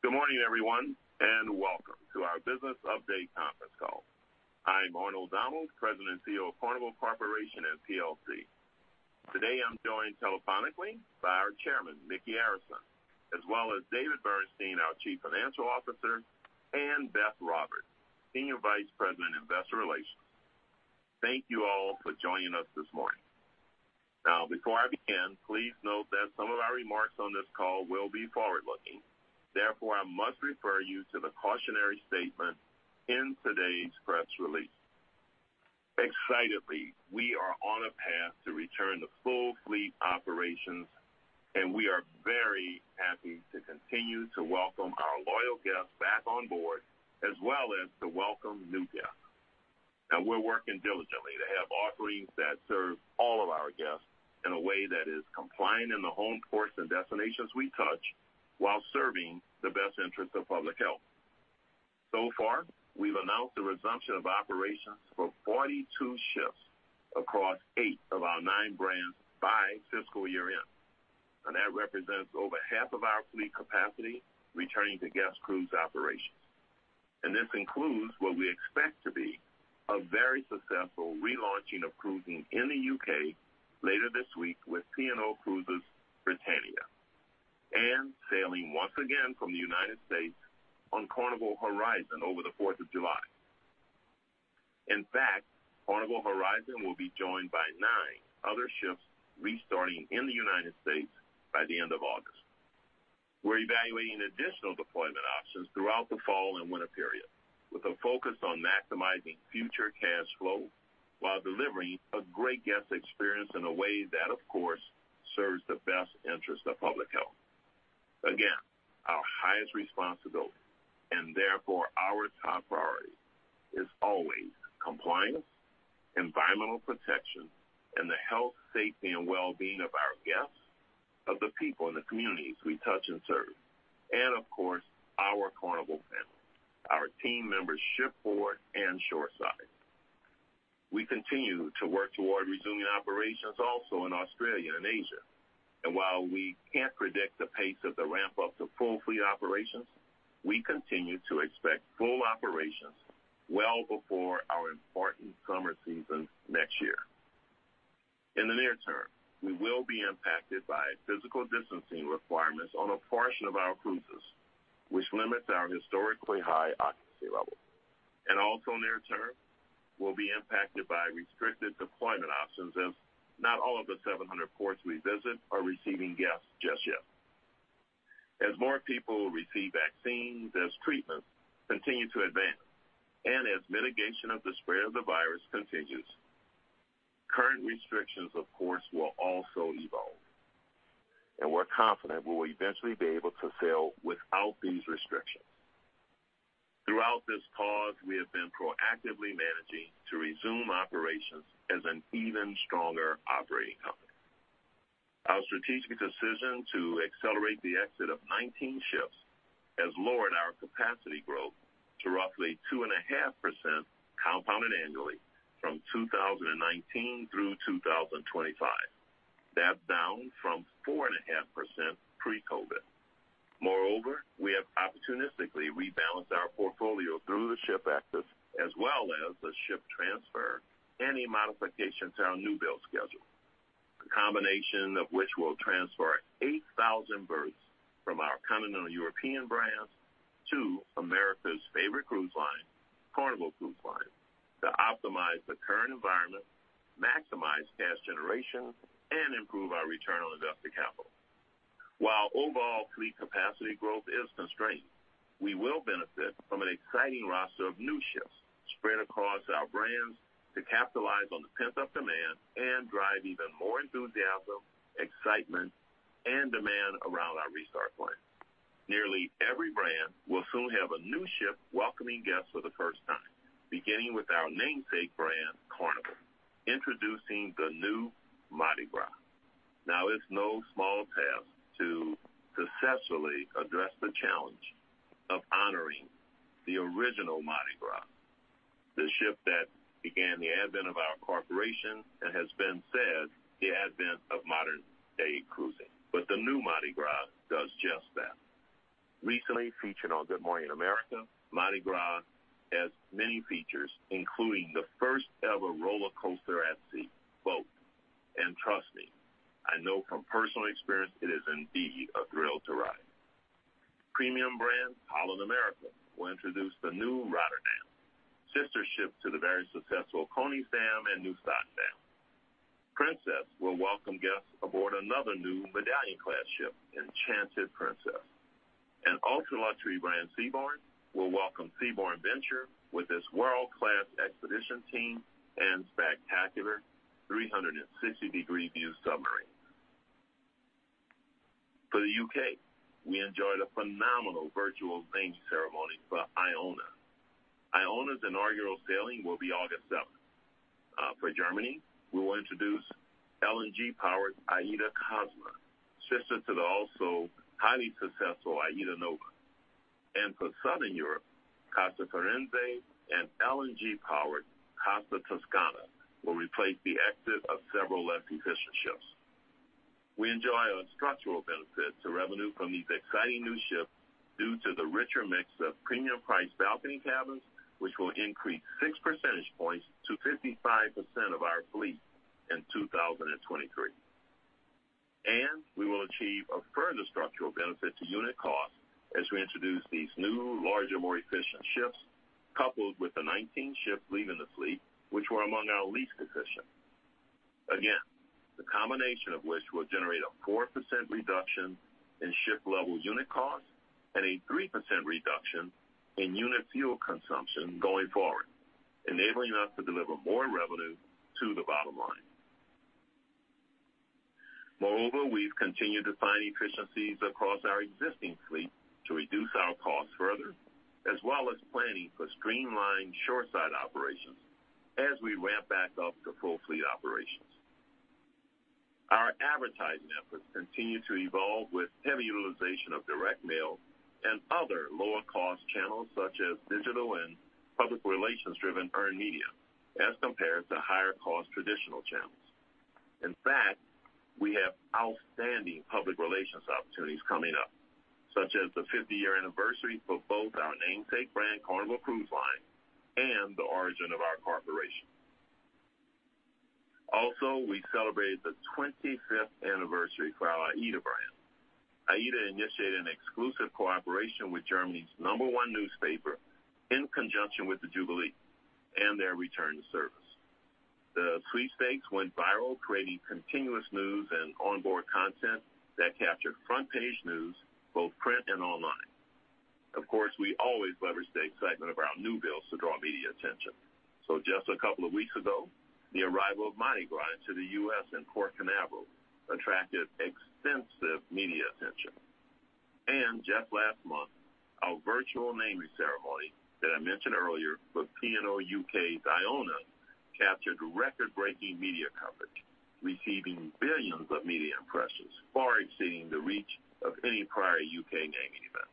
Good morning, everyone, and welcome to our business update conference call. I'm Arnold Donald, President and CEO of Carnival Corporation & plc. Today, I'm joined telephonically by our Chairman, Micky Arison, as well as David Bernstein, our Chief Financial Officer, and Beth Roberts, Senior Vice President of Investor Relations. Thank you all for joining us this morning. Now, before I begin, please note that some of our remarks on this call will be forward-looking. Therefore, I must refer you to the cautionary statement in today's press release. Excitedly, we are on a path to return to full fleet operations, and we are very happy to continue to welcome our loyal guests back on board, as well as to welcome new guests. We're working diligently to have offerings that serve all of our guests in a way that is compliant in the homeports and destinations we touch while serving the best interest of public health. So far, we've announced the resumption of operations for 42 ships across eight of our nine brands by fiscal year-end. That represents over half of our fleet capacity returning to guest cruise operations. This includes what we expect to be a very successful relaunching of cruising in the U.K. later this week with P&O Cruises Britannia, and sailing once again from the United States on Carnival Horizon over the Fourth of July. In fact, Carnival Horizon will be joined by nine other ships restarting in the United States by the end of August. We're evaluating additional deployment options throughout the fall and winter period, with a focus on maximizing future cash flow while delivering a great guest experience in a way that, of course, serves the best interest of public health. Our highest responsibility, and therefore our top priority, is always compliance, environmental protection, and the health, safety, and well-being of our guests, of the people in the communities we touch and serve, and of course, our Carnival family, our team members shipboard and shoreside. We continue to work toward resuming operations also in Australia and Asia. While we can't predict the pace of the ramp-up to full fleet operations, we continue to expect full operations well before our important summer season next year. In the near term, we will be impacted by physical distancing requirements on a portion of our cruises, which limits our historically high occupancy levels. Also near-term, we'll be impacted by restricted deployment options as not all of the 700 ports we visit are receiving guests just yet. As more people receive vaccines, as treatments continue to advance, and as mitigation of the spread of the virus continues, current restrictions, of course, will also evolve, and we're confident we'll eventually be able to sail without these restrictions. Throughout this pause, we have been proactively managing to resume operations as an even stronger operating company. Our strategic decision to accelerate the exit of 19 ships has lowered our capacity growth to roughly 2.5% compounded annually from 2019 through 2025. That's down from 4.5% pre-COVID-19. Moreover, we have opportunistically rebalanced our portfolio through the ship exits as well as the ship transfers and any modifications to our new build schedule. The combination of which will transfer 8,000 berths from our continental European brands to America's favorite cruise line, Carnival Cruise Line, to optimize the current environment, maximize cash generation, and improve our return on invested capital. While overall fleet capacity growth is constrained, we will benefit from an exciting roster of new ships spread across our brands to capitalize on the pent-up demand and drive even more enthusiasm, excitement, and demand around our restart plan. Nearly every brand will soon have a new ship welcoming guests for the first time, beginning with our namesake brand, Carnival, introducing the new Mardi Gras. Now, it's no small task to successfully address the challenge of honoring the original Mardi Gras, the ship that began the advent of our corporation and has been said, the advent of modern-day cruising. But the new Mardi Gras does just that. Recently featured on "Good Morning America," Mardi Gras has many features, including the first-ever rollercoaster at sea, BOLT. Trust me, I know from personal experience it is indeed a thrill to ride. Premium brand Holland America will introduce the new Rotterdam, sister ship to the very successful Koningsdam and Nieuw Statendam. Princess will welcome guests aboard another new MedallionClass ship, Enchanted Princess. Ultra-luxury brand Seabourn will welcome Seabourn Venture with its world-class expedition team and spectacular 360-degree view submarines. For the U.K., we enjoyed a phenomenal virtual naming ceremony for Iona. Iona's inaugural sailing will be August 7th. For Germany, we will introduce LNG-powered AIDAcosma, sister to the also highly successful AIDAnova. For Southern Europe, Costa Firenze and LNG-powered Costa Toscana will replace the exit of several less efficient ships. We enjoy a structural benefit to revenue from these exciting new ships due to the richer mix of premium-priced balcony cabins, which will increase 6 percentage points to 55% of our fleet in 2023. We will achieve a further structural benefit to unit cost as we introduce these new, larger, more efficient ships, coupled with the 19 ships leaving the fleet, which were among our least efficient. Again, the combination of which will generate a 4% reduction in ship-level unit cost and a 3% reduction in unit fuel consumption going forward, enabling us to deliver more revenue to the bottom line. Moreover, we've continued to find efficiencies across our existing fleet to reduce our costs further, as well as planning for streamlined shoreside operations as we ramp back up to full fleet operations. Our advertising efforts continue to evolve with heavy utilization of direct mail and other lower-cost channels such as digital and public relations-driven earned media as compared to higher-cost traditional channels. In fact, we have outstanding public relations opportunities coming up, such as the 50-year anniversary for both our namesake brand, Carnival Cruise Line, and the origin of our corporation. Also, we celebrated the 25th anniversary for our AIDA brand. AIDA initiated an exclusive cooperation with Germany's number one newspaper in conjunction with the jubilee and their return to service. The fleet stakes went viral, creating continuous news and onboard content that captured front-page news, both print and online. Of course, we always leverage the excitement of our new builds to draw media attention. Just a couple of weeks ago, the arrival of Mardi Gras to the U.S. in Port Canaveral attracted extensive media attention. Last month, our virtual naming ceremony that I mentioned earlier for P&O UK's Iona captured record-breaking media coverage, receiving billions of media impressions, far exceeding the reach of any prior U.K. naming event.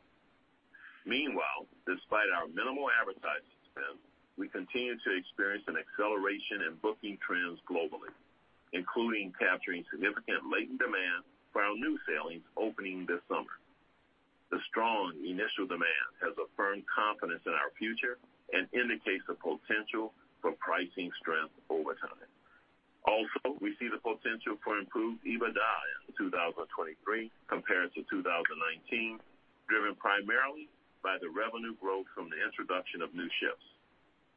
Meanwhile, despite our minimal advertising spend, we continue to experience an acceleration in booking trends globally, including capturing significant latent demand for our new sailings opening this summer. The strong initial demand has affirmed confidence in our future and indicates the potential for pricing strength over time. Also, we see the potential for improved EBITDA in 2023 compared to 2019, driven primarily by the revenue growth from the introduction of new ships,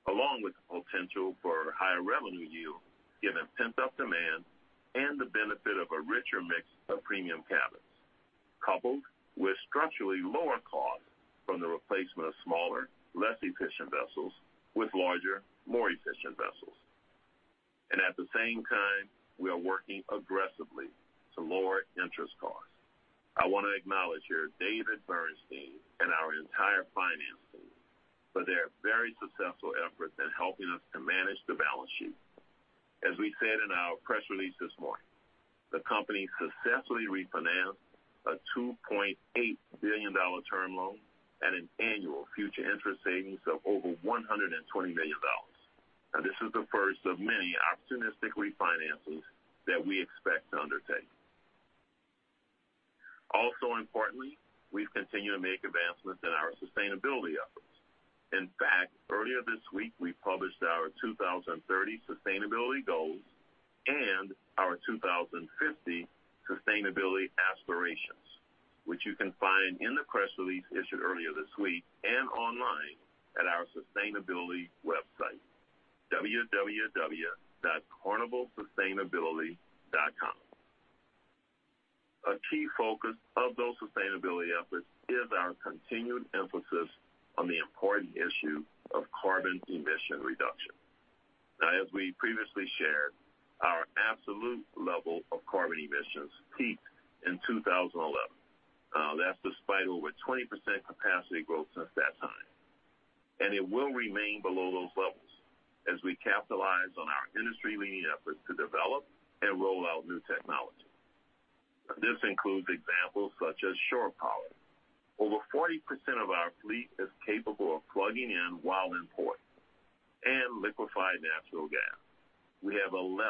along with the potential for higher revenue yield given pent-up demand and the benefit of a richer mix of premium cabins, coupled with structurally lower costs from the replacement of smaller, less efficient vessels with larger, more efficient vessels. At the same time, we are working aggressively to lower interest costs. I want to acknowledge here David Bernstein and our entire finance team for their very successful efforts in helping us to manage the balance sheet. As we said in our press release this morning, the company successfully refinanced a $2.8 billion term loan at an annual future interest savings of over $120 million. This is the first of many opportunistic refinances that we expect to undertake. Importantly, we continue to make advancements in our sustainability efforts. In fact, earlier this week, we published our 2030 sustainability goals and our 2050 sustainability aspirations, which you can find in the press release issued earlier this week and online at our sustainability website, www.carnivalsustainability.com. A key focus of those sustainability efforts is our continued emphasis on the important issue of carbon emission reduction. As we previously shared, our absolute level of carbon emissions peaked in 2011. That's despite over 20% capacity growth since that time. It will remain below those levels as we capitalize on our industry-leading efforts to develop and roll out new technology. This includes examples such as shore power. Over 40% of our fleet is capable of plugging in while in port and liquefied natural gas. We have 11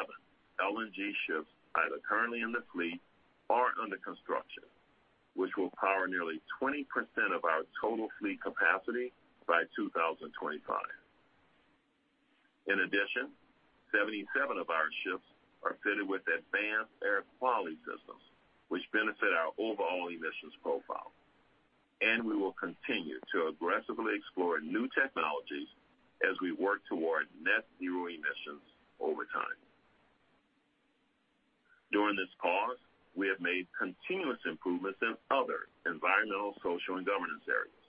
LNG ships either currently in the fleet or under construction, which will power nearly 20% of our total fleet capacity by 2025. 77 of our ships are fitted with advanced air quality systems, which benefit our overall emissions profile. We will continue to aggressively explore new technologies as we work toward net zero emissions over time. During this pause, we have made continuous improvements in other environmental, social, and ESG areas.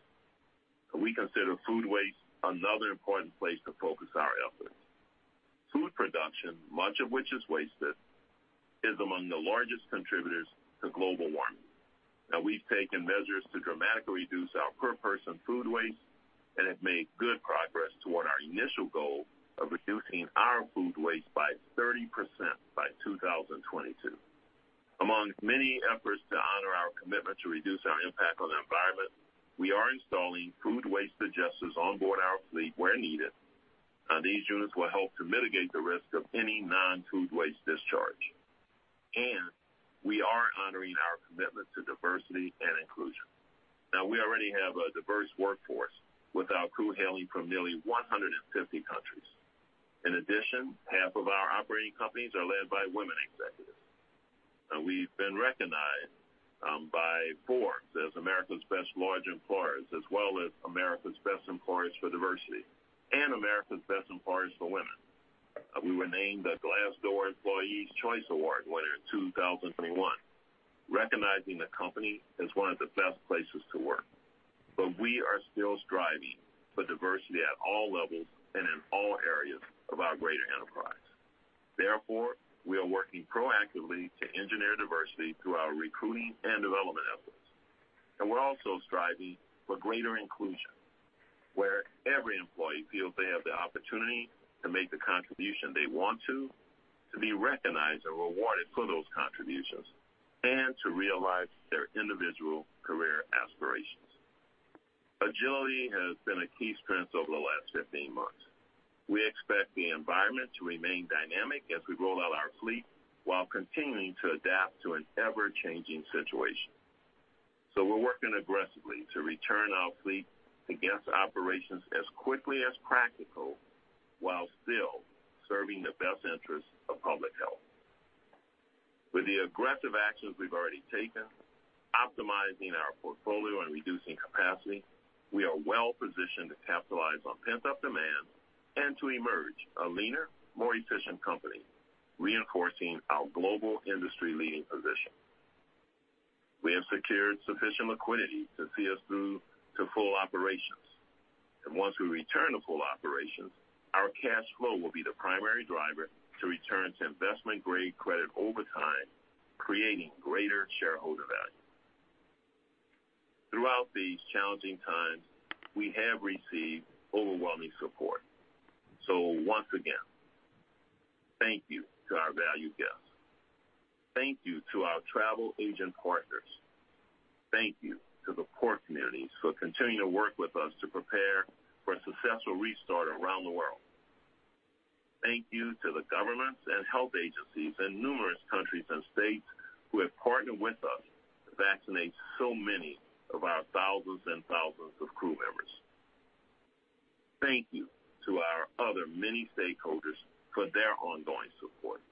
We consider food waste another important place to focus our efforts. Food production, much of which is wasted, is among the largest contributors to global warming. We've taken measures to dramatically reduce our per person food waste and have made good progress toward our initial goal of reducing our food waste by 30% by 2022. Among many efforts to honor our commitment to reduce our impact on the environment, we are installing food waste digesters on board our fleet where needed. These units will help to mitigate the risk of any non-food waste discharge. We are honoring our commitment to diversity and inclusion. Now we already have a diverse workforce with our crew hailing from nearly 150 countries. In addition, half of our operating companies are led by women executives. We've been recognized by Forbes as America's Best Large Employers as well as America's Best Employers for Diversity and America's Best Employers for Women. We were named a Glassdoor Employees' Choice Award winner 2021, recognizing the company as one of the best places to work. We are still striving for diversity at all levels and in all areas of our greater enterprise. Therefore, we are working proactively to engineer diversity through our recruiting and development efforts. We're also striving for greater inclusion, where every employee feels they have the opportunity to make the contribution they want to be recognized and rewarded for those contributions, and to realize their individual career aspirations. Agility has been a key strength over the last 15 months. We expect the environment to remain dynamic as we roll out our fleet while continuing to adapt to an ever-changing situation. We're working aggressively to return our fleet to guest operations as quickly as practical while still serving the best interest of public health. With the aggressive actions we've already taken, optimizing our portfolio and reducing capacity, we are well-positioned to capitalize on pent-up demand and to emerge a leaner, more efficient company, reinforcing our global industry-leading position. We have secured sufficient liquidity to see us through to full operations. Once we return to full operations, our cash flow will be the primary driver to return to investment-grade credit over time, creating greater shareholder value. Throughout these challenging times, we have received overwhelming support. Once again, thank you to our valued guests. Thank you to our travel agent partners. Thank you to the port communities who continue to work with us to prepare for a successful restart around the world. Thank you to the governments and health agencies in numerous countries and states who have partnered with us to vaccinate so many of our thousands and thousands of crew members. Thank you to our other many stakeholders for their ongoing support.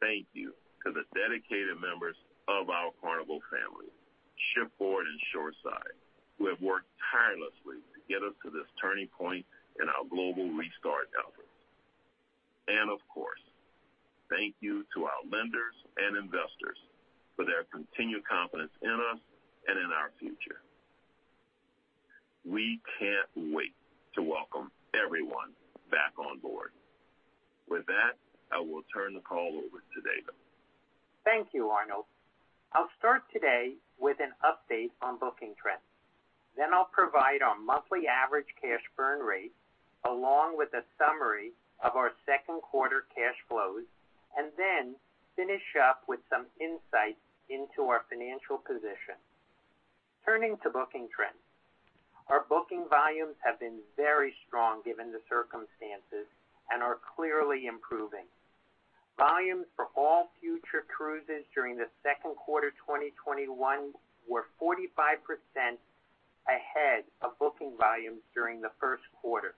Thank you to the dedicated members of our Carnival family, shipboard and shoreside, who have worked tirelessly to get us to this turning point in our global restart efforts. Of course, thank you to our lenders and investors for their continued confidence in us and in our future. We can't wait to welcome everyone back on board. With that, I will turn the call over to David. Thank you, Arnold. I'll start today with an update on booking trends. I'll provide our monthly average cash burn rate, along with a summary of our second quarter cash flows, and then finish up with some insights into our financial position. Turning to booking trends, our booking volumes have been very strong given the circumstances and are clearly improving. Volumes for all future cruises during the second quarter 2021 were 45% ahead of booking volumes during the first quarter.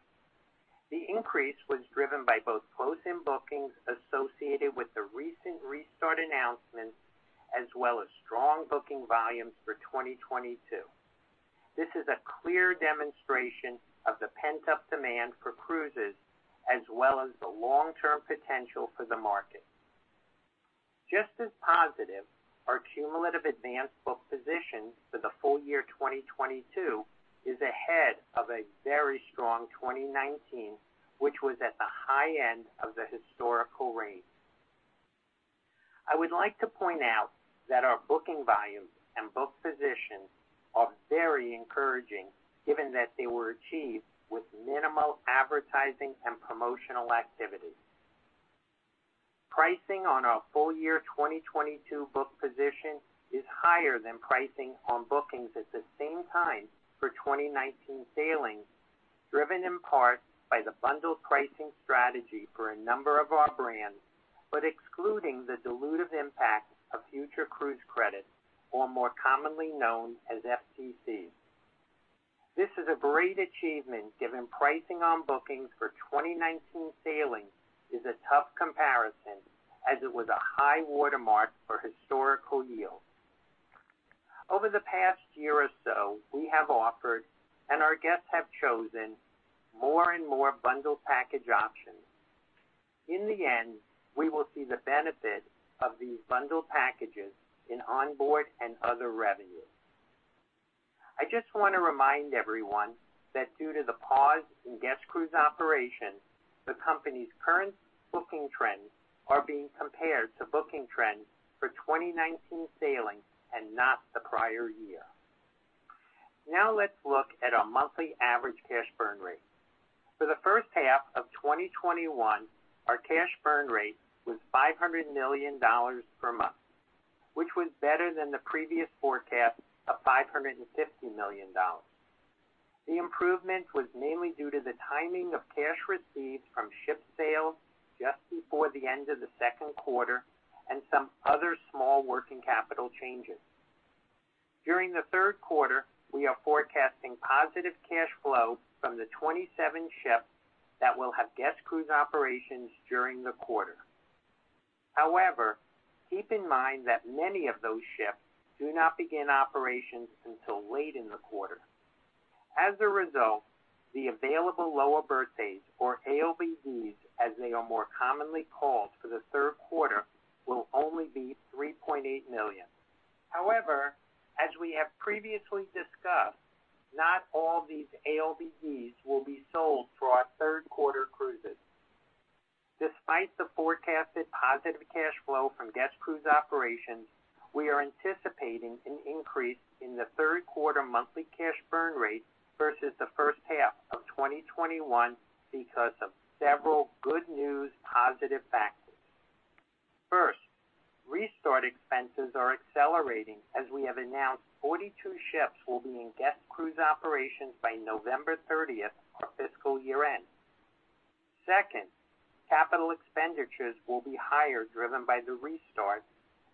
The increase was driven by both closed-in bookings associated with the recent restart announcements, as well as strong booking volumes for 2022. This is a clear demonstration of the pent-up demand for cruises, as well as the long-term potential for the market. Just as positive, our cumulative advanced book position for the full year 2022 is ahead of a very strong 2019, which was at the high end of the historical range. I would like to point out that our booking volumes and book positions are very encouraging given that they were achieved with minimal advertising and promotional activity. Pricing on our full-year 2022 book position is higher than pricing on bookings at the same time for 2019 sailings, driven in part by the bundled pricing strategy for a number of our brands, but excluding the dilutive impact of Future Cruise Credits, or more commonly known as FCCs. This is a great achievement given pricing on bookings for 2019 sailings is a tough comparison as it was a high watermark for historical yields. Over the past year or so, we have offered and our guests have chosen more and more bundled package options. In the end, we will see the benefit of these bundled packages in onboard and other revenue. I just want to remind everyone that due to the pause in guest cruise operations, the company's current booking trends are being compared to booking trends for 2019 sailings and not the prior year. Let's look at our monthly average cash burn rate. For the first half of 2021, our cash burn rate was $500 million per month, which was better than the previous forecast of $550 million. The improvement was mainly due to the timing of cash received from ship sales just before the end of the second quarter and some other small working capital changes. During the third quarter, we are forecasting positive cash flow from the 27 ships that will have guest cruise operations during the quarter. However, keep in mind that many of those ships do not begin operations until late in the quarter. As a result, the Available Lower Berth Days or ALBDs, as they are more commonly called for the third quarter, will only be 3.8 million. However, as we have previously discussed, not all these ALBDs will be sold for our third-quarter cruises. Despite the forecasted positive cash flow from guest cruise operations, we are anticipating an increase in the third-quarter monthly cash burn rate versus the first half of 2021 because of several good news positive factors. First, restart expenses are accelerating as we have announced 42 ships will be in guest cruise operations by November 30th, our fiscal year-end. Second, capital expenditures will be higher driven by the restart,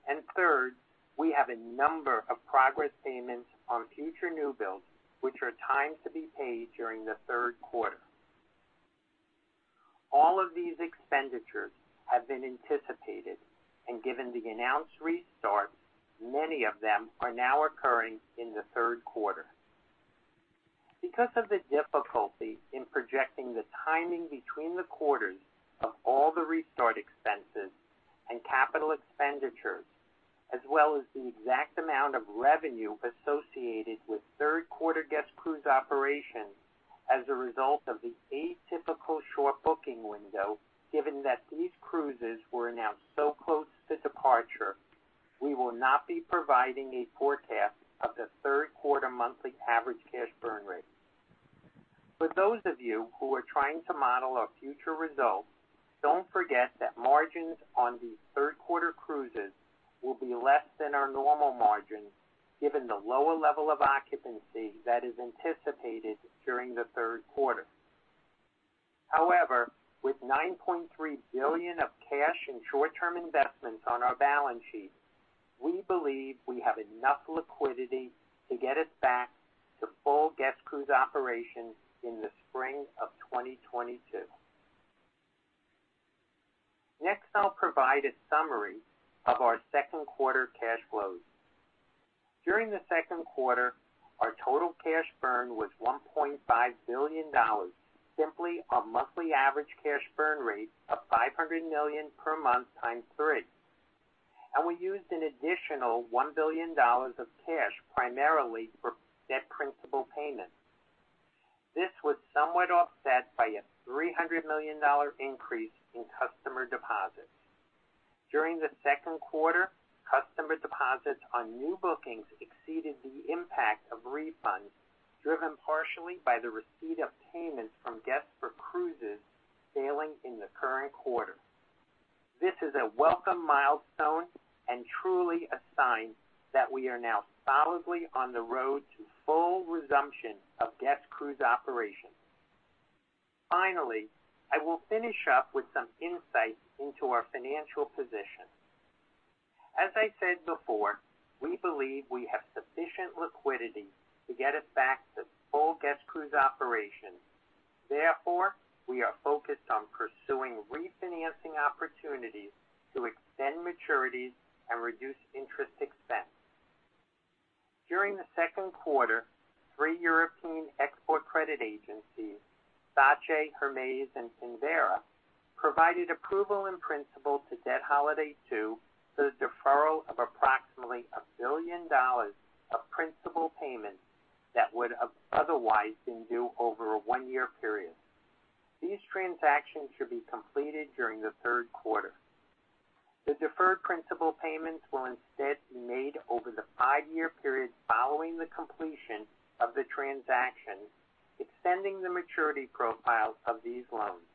and third, we have a number of progress payments on future new builds, which are timed to be paid during the third quarter. All of these expenditures have been anticipated and given the announced restart, many of them are now occurring in the third quarter. Because of the difficulty in projecting the timing between the quarters of all the restart expenses and capital expenditures, as well as the exact amount of revenue associated with third-quarter guest cruise operations as a result of the atypical short booking window, given that these cruises were announced so close to departure, we will not be providing a forecast of the third-quarter monthly average cash burn rate. For those of you who are trying to model our future results, don't forget that margins on these third-quarter cruises will be less than our normal margins given the lower level of occupancy that is anticipated during the third quarter. With $9.3 billion of cash and short-term investments on our balance sheet, we believe we have enough liquidity to get us back to full guest cruise operations in the spring of 2022. I'll provide a summary of our second-quarter cash flows. During the second quarter, our total cash burn was $1.5 billion, simply our monthly average cash burn rate of $500 million per month times three, and we used an additional $1 billion of cash primarily for debt principal payments. This was somewhat offset by a $300 million increase in customer deposits. During the second quarter, customer deposits on new bookings exceeded the impact of refunds driven partially by the receipt of payments from guests for cruises sailing in the current quarter. This is a welcome milestone and truly a sign that we are now solidly on the road to full resumption of guest cruise operations. I will finish up with some insight into our financial position. As I said before, we believe we have sufficient liquidity to get us back to full guest cruise operations. We are focused on pursuing refinancing opportunities to extend maturities and reduce interest expense. During the second quarter, three European export credit agencies, SACE, Hermes, and Finnvera, provided approval in principle to Debt Holiday 2 for the deferral of approximately $1 billion of principal payments that would have otherwise been due over a one-year period. These transactions should be completed during the third quarter. The deferred principal payments will instead be made over the five-year period following the completion of the transactions, extending the maturity profiles of these loans.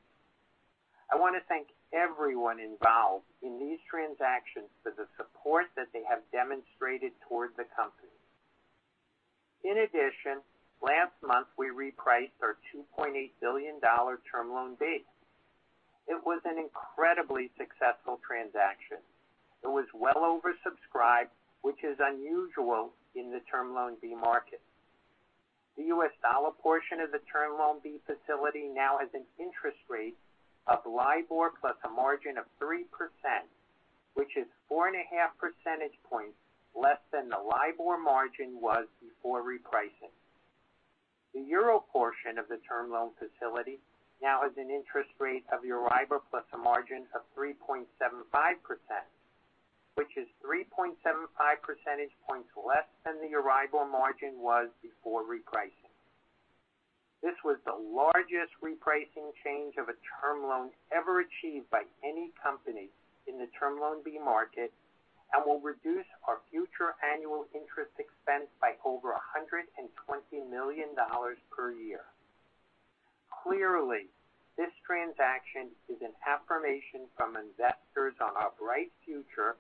I want to thank everyone involved in these transactions for the support that they have demonstrated towards the company. Last month, we repriced our $2.8 billion Term Loan B. It was an incredibly successful transaction. It was well oversubscribed, which is unusual in the Term Loan B market. The U.S. dollar portion of the Term Loan B facility now has an interest rate of LIBOR plus a margin of 3%, which is 4.5 percentage points less than the LIBOR margin was before repricing. The euro portion of the Term Loan facility now has an interest rate of EURIBOR plus a margin of 3.75%, which is 3.75 percentage points less than the EURIBOR margin was before repricing. This was the largest repricing change of a Term Loan ever achieved by any company in the Term Loan B market and will reduce our future annual interest expense by over $120 million per year. Clearly, this transaction is an affirmation from investors on our bright future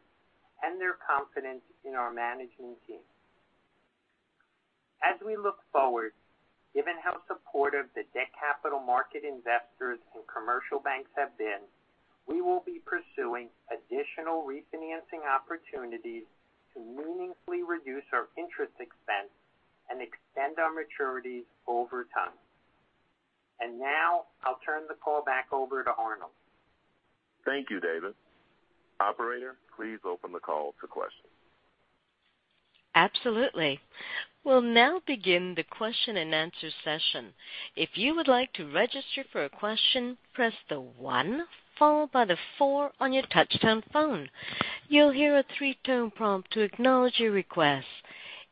and their confidence in our managing team. As we look forward, given how supportive the debt capital market investors and commercial banks have been, we will be pursuing additional refinancing opportunities to meaningfully reduce our interest expense and extend our maturities over time. Now I'll turn the call back over to Arnold. Thank you, David. Operator, please open the call to questions. Absolutely. We'll now begin the question-and-answer session. If you would like to register for a question, press the one followed by the four on your touchtone phone. You'll here a three-tone prompt to acknowledge your request.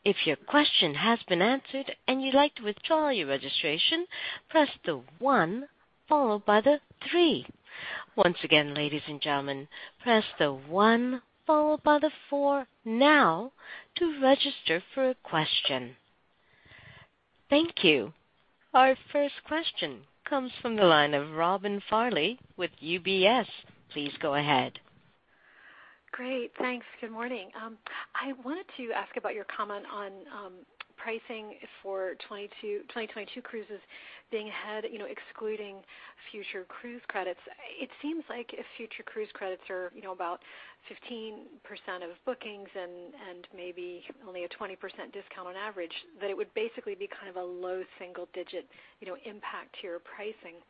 If your question has been answered and you would like to withdraw your registration, press the one followed by the three. Once again ladies and gentlemen, press the one followed by the four now to register for a question. Thank you. Our first question comes from the line of Robin Farley with UBS. Please go ahead. Great. Thanks. Good morning. I wanted to ask about your comment on pricing for 2022 cruises being ahead, excluding Future Cruise Credits. It seems like if Future Cruise Credits are about 15% of bookings and maybe only a 20% discount on average, that it would basically be a low single-digit impact to your pricing.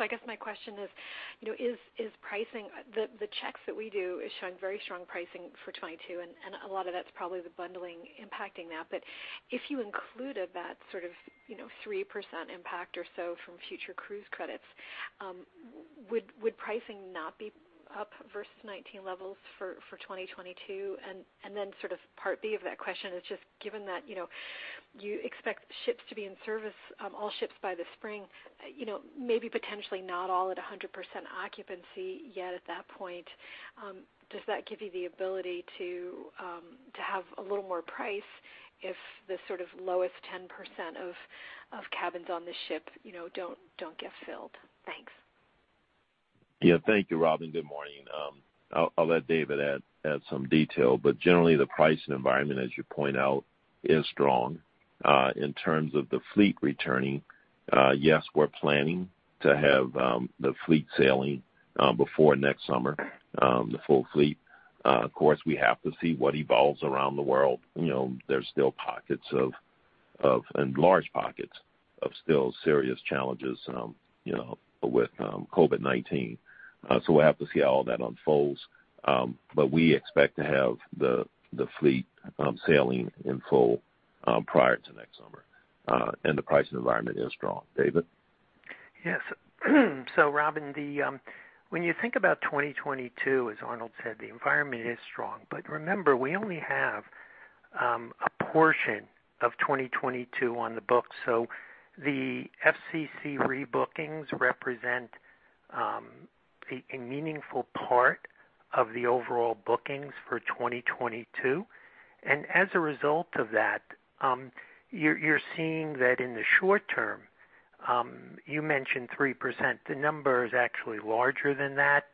I guess my question is, the checks that we do are showing very strong pricing for 2022, and a lot of that's probably the bundling impacting that. If you included that sort of 3% impact or so from Future Cruise Credits, would pricing not be up versus 2019 levels for 2022? Part B of that question is just given that you expect all ships to be in service by the spring, maybe potentially not all at 100% occupancy yet at that point, does that give you the ability to have a little more price if the lowest 10% of cabins on the ship don't get filled? Thanks. Thank you, Robin. Good morning. I'll let David add some detail. Generally, the pricing environment, as you point out, is strong. In terms of the fleet returning, yes, we're planning to have the fleet sailing before next summer, the full fleet. Of course, we have to see what evolves around the world. There's still pockets, and large pockets, of still serious challenges with COVID-19. We'll have to see how that unfolds. We expect to have the fleet sailing in full prior to next summer, and the pricing environment is strong. David? Yes. Robin, when you think about 2022, as Arnold said, the environment is strong. Remember, we only have a portion of 2022 on the books. The FCCs rebookings represent a meaningful part of the overall bookings for 2022. As a result of that, you're seeing that in the short term, you mentioned 3%. The number is actually larger than that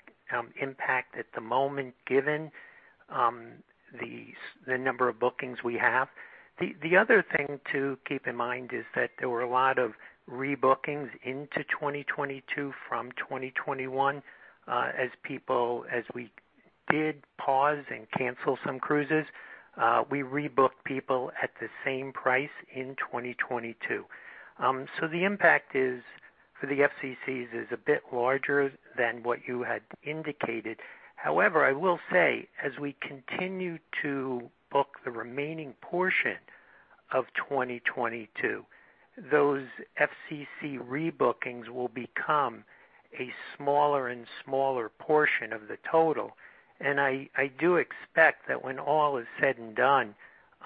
impact at the moment given the number of bookings we have. The other thing to keep in mind is that there were a lot of rebookings into 2022 from 2021 as we did pause and cancel some cruises. We rebooked people at the same price in 2022. The impact for the FCCs is a bit larger than what you had indicated. I will say, as we continue to book the remaining portion of 2022, those FCC rebookings will become a smaller and smaller portion of the total. I do expect that when all is said and done,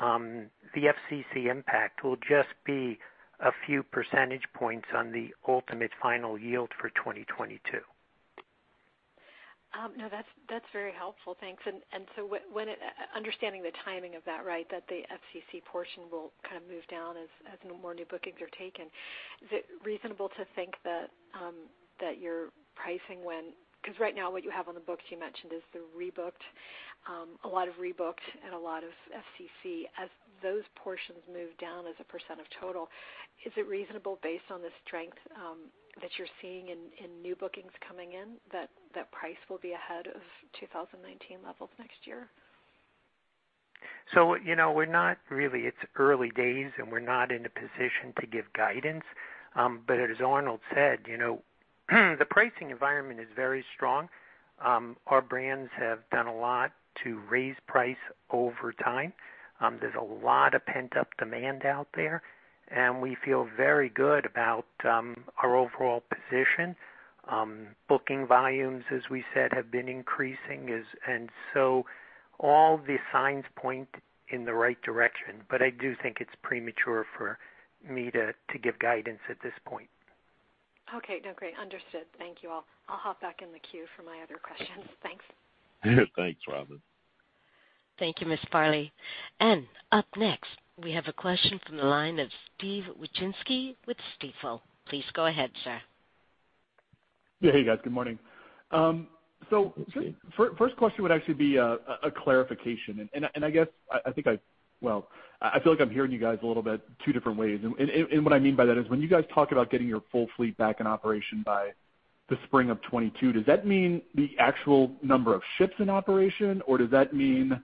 the FCC impact will just be a few percentage points on the ultimate final yield for 2022. No, that's very helpful. Thanks. Understanding the timing of that the FCC portion will move down as more new bookings are taken, is it reasonable to think that your pricing Because right now what you have on the books, you mentioned, is a lot of rebooked and a lot of FCC. As those portions move down as a percent of total, is it reasonable based on the strength that you're seeing in new bookings coming in that price will be ahead of 2019 levels next year? It's early days, and we're not in a position to give guidance. As Arnold said, the pricing environment is very strong. Our brands have done a lot to raise price over time. There's a lot of pent-up demand out there, and we feel very good about our overall position. Booking volumes, as we said, have been increasing. All the signs point in the right direction, but I do think it's premature for me to give guidance at this point. Okay. No, great. Understood. Thank you. I'll hop back in the queue for my other questions. Thanks. Thanks, Robin. Thank you, Ms. Farley. Up next, we have a question from the line of Steve Wieczynski with Stifel. Please go ahead, sir. Yeah. Hey, guys. Good morning. First question would actually be a clarification. I guess, I feel like I'm hearing you guys a little bit two different ways. What I mean by that is when you guys talk about getting your full fleet back in operation by the spring of 2022, does that mean the actual number of ships in operation, or does that mean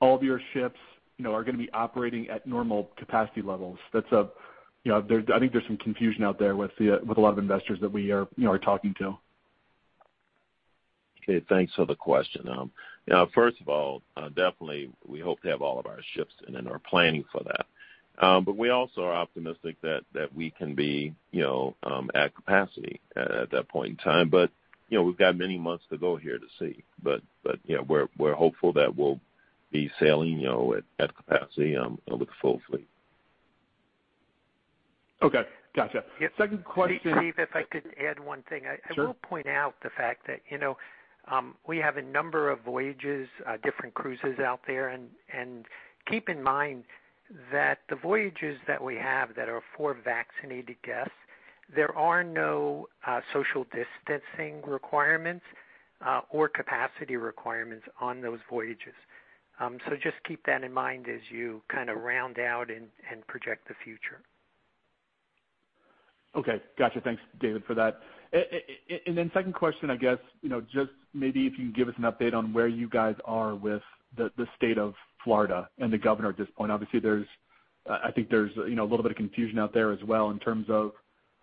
all of your ships are going to be operating at normal capacity levels? I think there's some confusion out there with a lot of investors that we are talking to. Okay. Thanks for the question. First of all, definitely, we hope to have all of our ships in and are planning for that. We also are optimistic that we can be at capacity at that point in time. We've got many months to go here to see. We're hopeful that we'll be sailing at capacity with the full fleet. Okay. Gotcha. Second question. Steve, if I could add one thing. Sure. I will point out the fact that we have a number of voyages, different cruises out there, and keep in mind that the voyages that we have that are for vaccinated guests, there are no social distancing requirements or capacity requirements on those voyages. Just keep that in mind as you kind of round out and project the future. Okay. Got you. Thanks, David, for that. Second question, I guess, just maybe if you can give us an update on where you guys are with the state of Florida and the governor at this point. Obviously, I think there's a little bit of confusion out there as well in terms of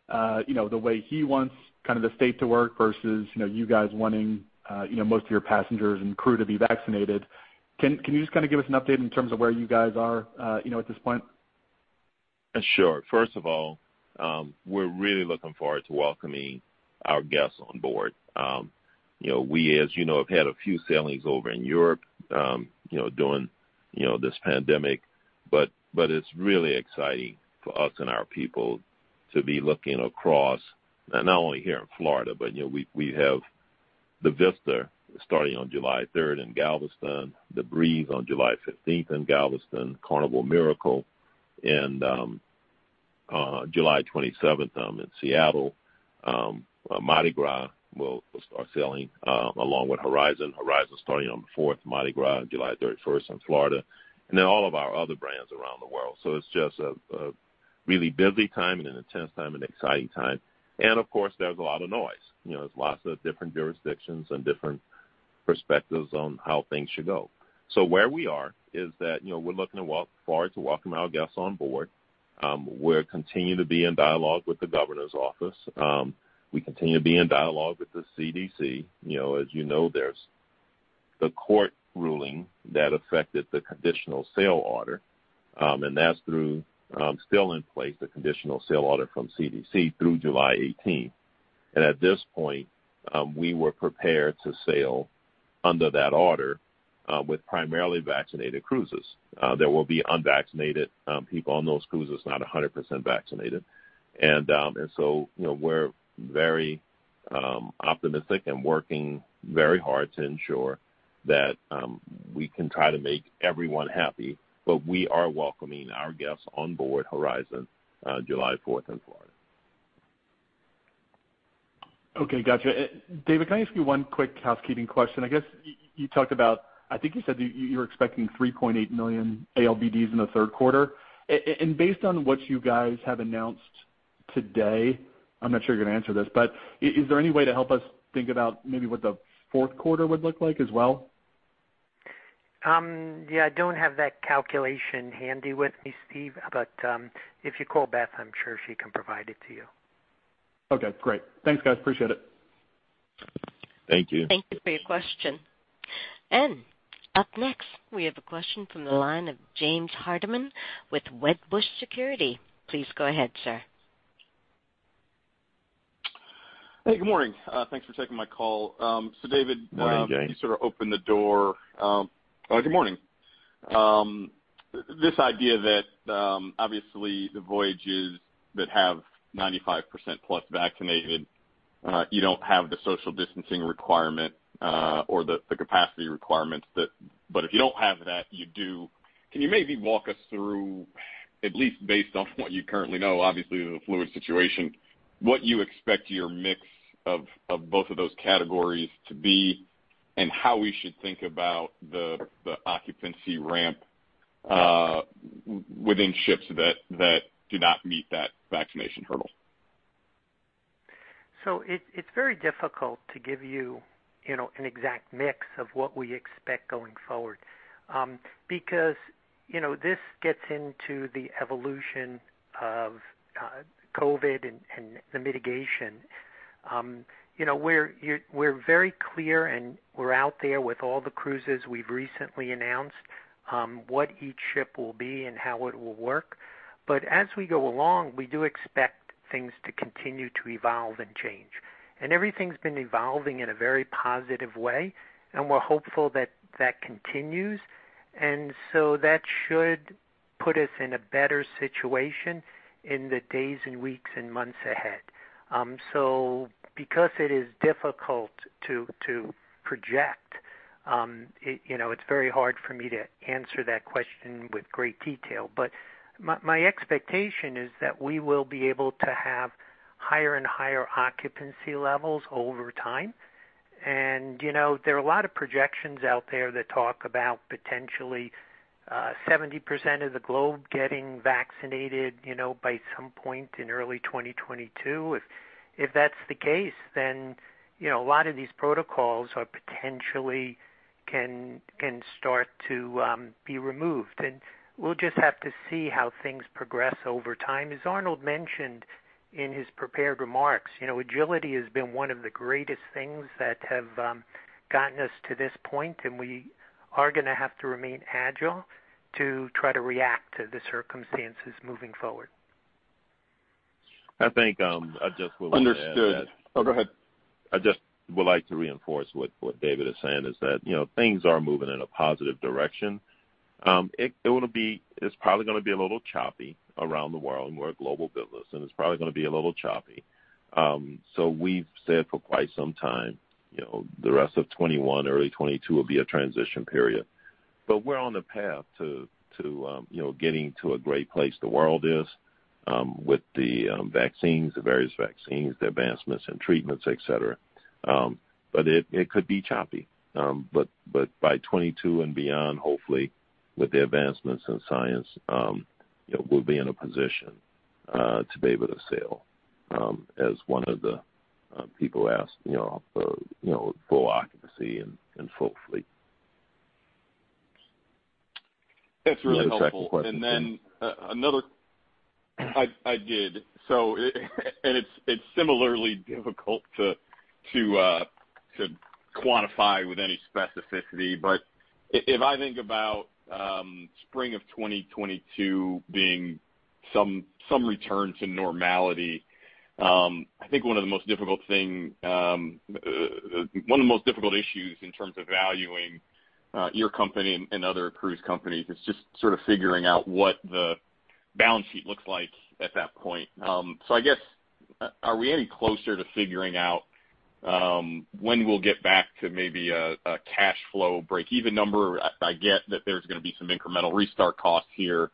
the way he wants the state to work versus you guys wanting most of your passengers and crew to be vaccinated. Can you just give us an update in terms of where you guys are at this point? First of all, we're really looking forward to welcoming our guests on board. We, as you know, have had a few sailings over in Europe during this pandemic. It's really exciting for us and our people to be looking across, not only here in Florida, but we have the Vista starting on July 3rd in Galveston, the Breeze on July 15th in Galveston, Carnival Miracle in July 27th in Seattle. Mardi Gras will start sailing along with Carnival Horizon. Carnival Horizon starting on the 4th, Mardi Gras on July 31st in Florida, all of our other brands around the world. It's just a really busy time and an intense time, an exciting time. Of course, there's a lot of noise. There's lots of different jurisdictions and different perspectives on how things should go. Where we are is that we're looking forward to welcoming our guests on board. We'll continue to be in dialogue with the governor's office. We continue to be in dialogue with the CDC. As you know, there's the court ruling that affected the conditional sail order, and that's still in place, the conditional sail order from CDC through July 18th. At this point, we were prepared to sail under that order with primarily vaccinated cruises. There will be unvaccinated people on those cruises, not 100% vaccinated. We're very optimistic and working very hard to ensure that we can try to make everyone happy. We are welcoming our guests on board Horizon on July 4th in Florida. Okay. Gotcha. David, can I ask you one quick housekeeping question? I guess you talked about, I think you said that you're expecting 3.8 million ALBDs in the third quarter. Based on what you guys have announced today, I'm not sure you're going to answer this, but is there any way to help us think about maybe what the fourth quarter would look like as well? Yeah, I don't have that calculation handy with me, Steve, but if you call Beth, I'm sure she can provide it to you. Okay, great. Thanks, guys. Appreciate it. Thank you. Thank you for your question. Up next, we have a question from the line of James Hardiman with Wedbush Securities. Please go ahead, sir. Hey, good morning. Thanks for taking my call. Morning, James. David, you sort of opened the door. Good morning. This idea that, obviously, the voyages that have 95%+ vaccinated, you don't have the social distancing requirement or the capacity requirements. If you don't have that, you do. Can you maybe walk us through, at least based on what you currently know, obviously in a fluid situation, what you expect your mix of both of those categories to be and how we should think about the occupancy ramp within ships that do not meet that vaccination hurdle? It's very difficult to give you an exact mix of what we expect going forward because this gets into the evolution of COVID and the mitigation. We're very clear, and we're out there with all the cruises we've recently announced what each ship will be and how it will work. As we go along, we do expect things to continue to evolve and change. Everything's been evolving in a very positive way, and we're hopeful that that continues. That should put us in a better situation in the days and weeks and months ahead. Because it is difficult to project, it's very hard for me to answer that question with great detail. My expectation is that we will be able to have higher and higher occupancy levels over time. There are a lot of projections out there that talk about potentially 70% of the globe getting vaccinated by some point in early 2022. If that's the case, a lot of these protocols potentially can start to be removed. We'll just have to see how things progress over time. As Arnold mentioned in his prepared remarks, agility has been one of the greatest things that have gotten us to this point, and we are going to have to remain agile to try to react to the circumstances moving forward. I think I just would like to add that- Understood. Go ahead. I just would like to reinforce what David is saying is that things are moving in a positive direction. It's probably going to be a little choppy around the world. We're a global business. It's probably going to be a little choppy. We've said for quite some time the rest of 2021, early 2022 will be a transition period. We're on a path to getting to a great place. The world is with the various vaccines, the advancements in treatments, et cetera. It could be choppy. By 2022 and beyond, hopefully, with the advancements in science, we'll be in a position to be able to sail as one of the people asked, full occupancy and full fleet. That's really helpful. The second question, please. I did. It's similarly difficult to quantify with any specificity. If I think about spring of 2022 being some return to normality, I think one of the most difficult issues in terms of valuing your company and other cruise companies is just sort of figuring out what the balance sheet looks like at that point. I guess are we any closer to figuring out when we'll get back to maybe a cash flow breakeven number? I get that there's going to be some incremental restart costs here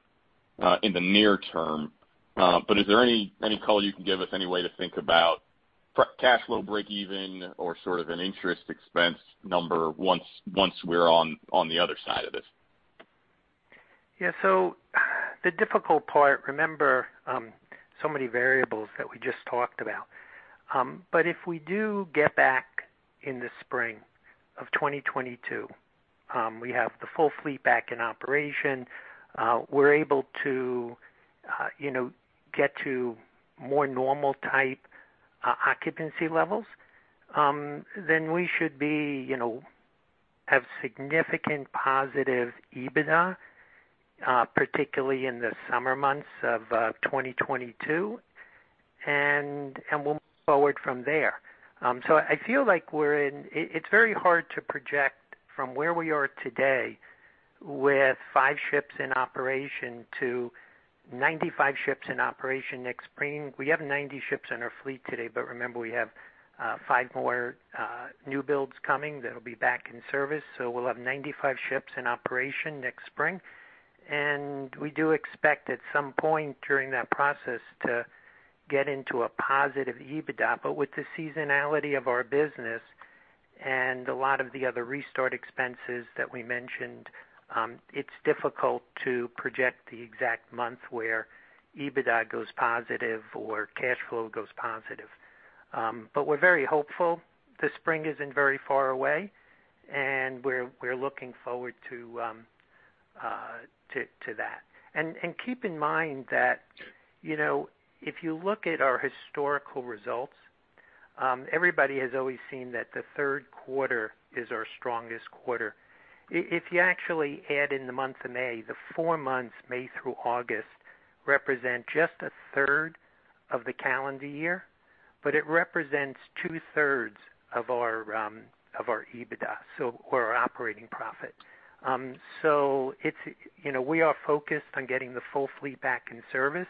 in the near term. Is there any call you can give us any way to think about cash flow breakeven or sort of an interest expense number once we're on the other side of this? The difficult part, remember, many variables that we just talked about. If we do get back in the spring of 2022, we have the full fleet back in operation. We're able to get to more normal type occupancy levels, we should have significant positive EBITDA, particularly in the summer months of 2022, we'll move forward from there. I feel like it's very hard to project from where we are today with 95 ships in operation next spring. We have 90 ships in our fleet today, remember, we have five more new builds coming that'll be back in service. We'll have 95 ships in operation next spring, we do expect at some point during that process to get into a positive EBITDA. With the seasonality of our business and a lot of the other restart expenses that we mentioned, it's difficult to project the exact month where EBITDA goes positive or cash flow goes positive. We're very hopeful. The spring isn't very far away, and we're looking forward to that. Keep in mind that if you look at our historical results, everybody has always seen that the third quarter is our strongest quarter. If you actually add in the month of May, the four months May through August represent just 1/3 of the calendar year, but it represents 2/3 of our EBITDA, so our operating profit. We are focused on getting the full fleet back in service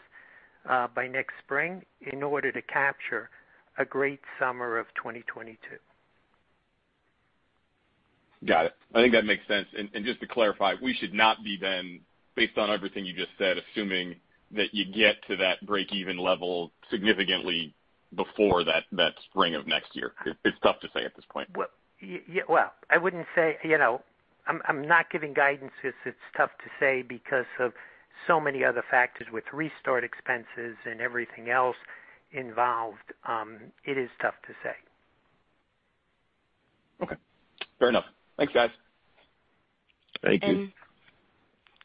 by next spring in order to capture a great summer of 2022. Got it. I think that makes sense. Just to clarify, we should not be then, based on everything you just said, assuming that you get to that breakeven level significantly before that spring of next year. It's tough to say at this point. Well, I wouldn't say. I'm not giving guidance because it's tough to say because of so many other factors with restart expenses and everything else involved. It is tough to say. Okay. Fair enough. Thanks, guys. Thank you.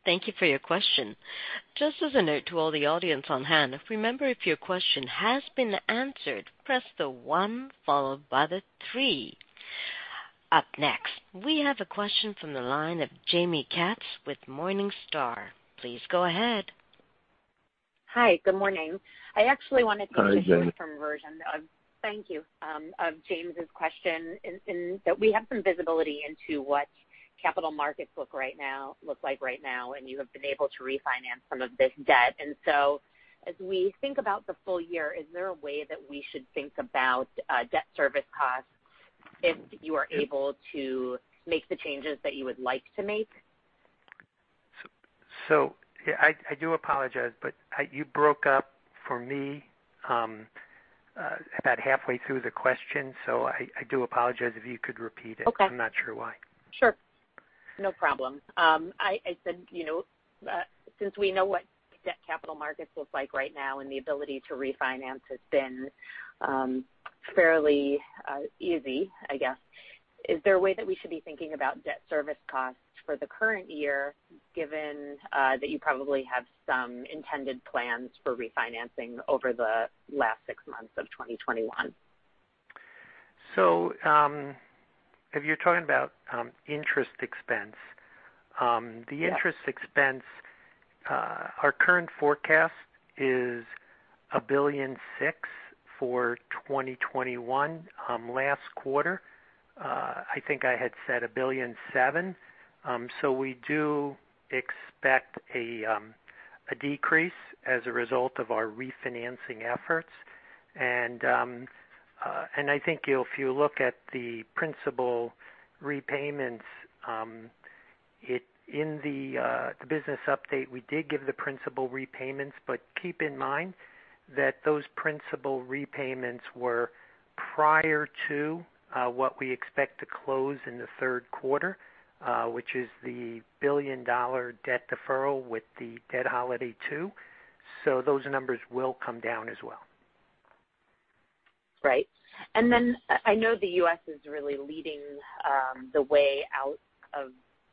Thank you for your question. Just as a note to all the audience on hand, remember, if your question has been answered, press one followed by three. Up next, we have a question from the line of Jaime Katz with Morningstar. Please go ahead. Hi, good morning. Hi, Jaime. Thank you. James' question is that we have some visibility into what capital markets look like right now, you have been able to refinance some of this debt. As we think about the full year, is there a way that we should think about debt service costs if you are able to make the changes that you would like to make? I do apologize, but you broke up for me about halfway through the question, so I do apologize if you could repeat it. Okay. I'm not sure why. Sure. No problem. Since we know what debt capital markets look like right now, and the ability to refinance has been fairly easy, I guess. Is there a way that we should be thinking about debt service costs for the current year, given that you probably have some intended plans for refinancing over the last six months of 2021? If you're talking about interest expense, the interest expense, our current forecast is $1.6 billion for 2021. Last quarter, I think I had said $1.7 billion. We do expect a decrease as a result of our refinancing efforts. I think if you look at the principal repayments, in the business update, we did give the principal repayments, but keep in mind that those principal repayments were prior to what we expect to close in the third quarter, which is the $1 billion debt deferral with the Debt Holiday 2. Those numbers will come down as well. Right. I know the U.S. is really leading the way out of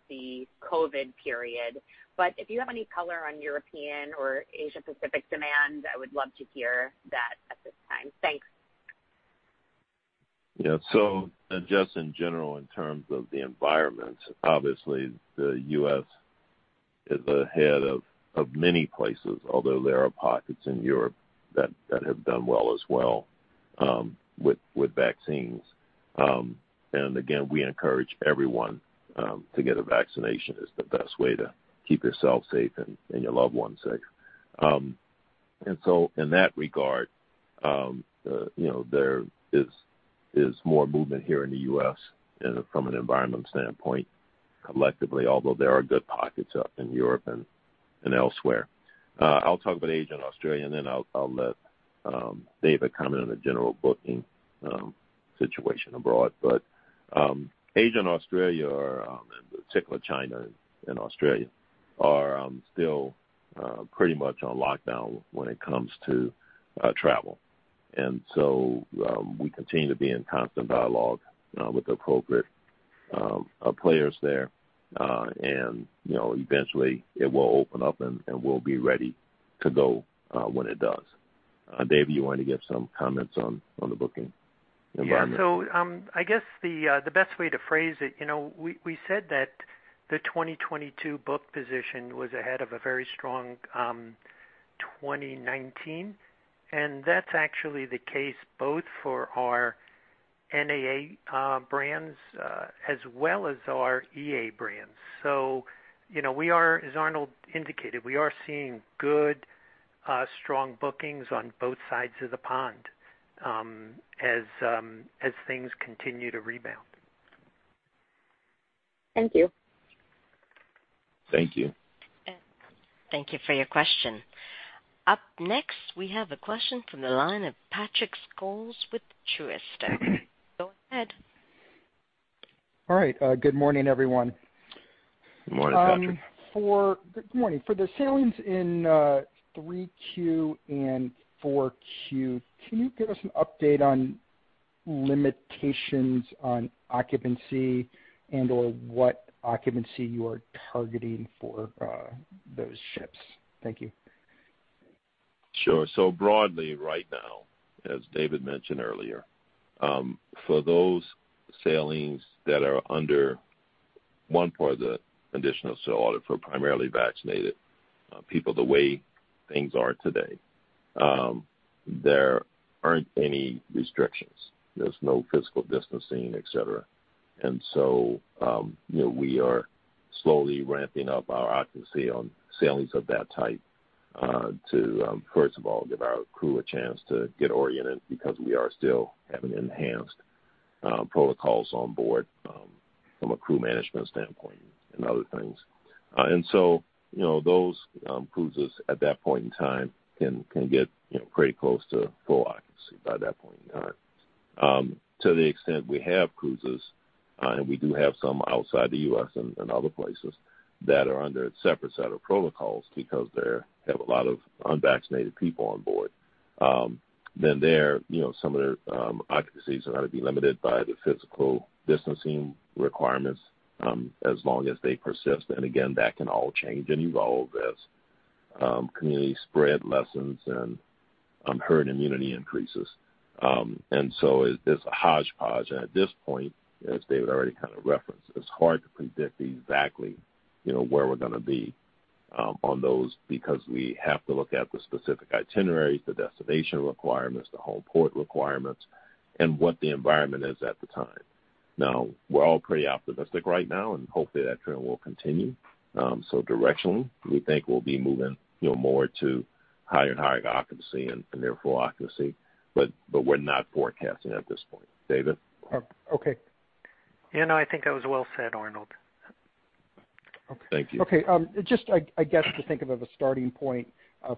the COVID period, but if you have any color on European or Asia Pacific demand, I would love to hear that at this time. Thanks. Just in general, in terms of the environment, obviously the U.S. is ahead of many places, although there are pockets in Europe that have done well as well with vaccines. Again, we encourage everyone to get a vaccination. It's the best way to keep yourself safe and your loved ones safe. In that regard, there is more movement here in the U.S. from an environment standpoint, collectively, although there are good pockets up in Europe and elsewhere. I'll talk about Asia and Australia, then I'll let David comment on the general booking situation abroad. Asia and Australia, in particular China and Australia, are still pretty much on lockdown when it comes to travel. We continue to be in constant dialogue with appropriate players there. Eventually it will open up, and we'll be ready to go when it does. David, you want to give some comments on the booking environment? I guess the best way to phrase it, we said that the 2022 book position was ahead of a very strong 2019, and that's actually the case both for our NAA brands as well as our EA brands. As Arnold indicated, we are seeing good, strong bookings on both sides of the pond as things continue to rebound. Thank you. Thank you. Thank you for your question. Up next, we have a question from the line of Patrick Scholes with Truist. Go ahead. All right. Good morning, everyone. Good morning, Patrick. Good morning. For the sailings in Q3 and Q4, can you give us an update on limitations on occupancy and/or what occupancy you are targeting for those ships? Thank you. Sure. Broadly right now, as David mentioned earlier, for those sailings that are under one part of the conditional sail order for primarily vaccinated people, the way things are today, there aren't any restrictions. There's no physical distancing, et cetera. We are slowly ramping up our occupancy on sailings of that type to first of all, give our crew a chance to get oriented because we are still having enhanced protocols on board from a crew management standpoint and other things. Those cruises at that point in time can get pretty close to full occupancy by that point in time. To the extent we have cruises, and we do have some outside the U.S. and other places that are under a separate set of protocols because they have a lot of unvaccinated people on board. There, some of their occupancies are going to be limited by the physical distancing requirements as long as they persist, and again, that can all change and evolve as community spread lessens and herd immunity increases. It's a hodgepodge, and at this point, as David already kind of referenced, it's hard to predict exactly where we're going to be on those because we have to look at the specific itineraries, the destination requirements, the home port requirements, and what the environment is at the time. Now, we're all pretty optimistic right now, and hopefully that trend will continue. Directionally, we think we'll be moving more to higher occupancy and near full occupancy. We're not forecasting at this point. David? Okay. Yeah, no, I think that was well said, Arnold. Thank you. Okay. Just, I guess, to think of as a starting point